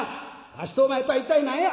わしとお前とは一体何や？」。